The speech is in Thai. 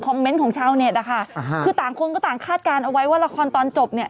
เมนต์ของชาวเน็ตนะคะคือต่างคนก็ต่างคาดการณ์เอาไว้ว่าละครตอนจบเนี่ย